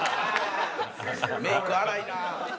メイク粗いな。